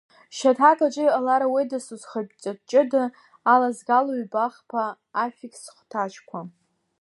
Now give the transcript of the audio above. Шьаҭак аҿы иҟалар ауеит дасу зхатә ҵак ҷыда алазгало ҩба-хԥа аффикс-хәҭаҷқәа…